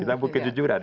kita buktikan kejujuran